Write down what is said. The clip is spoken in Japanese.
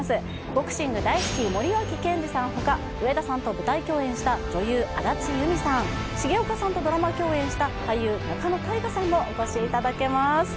ボクシング大好き、森脇健児さんほか、ドラマ共演した女優、安達祐実さん重岡さんとドラマ共演した俳優仲野太賀さんもお越しいただけます。